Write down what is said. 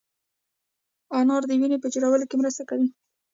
انار د وینې په جوړولو کې مرسته کوي.